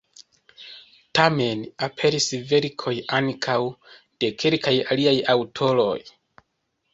Tamen aperis verkoj ankaŭ de kelkaj aliaj aŭtoroj.